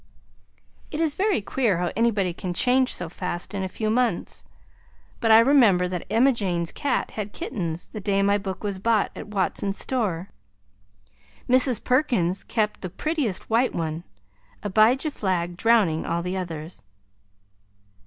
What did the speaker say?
It is very queer how anybody can change so fast in a few months, but I remember that Emma Jane's cat had kittens the day my book was bought at Watson's store. Mrs. Perkins kept the prettiest white one, Abijah Flagg drowning all the others.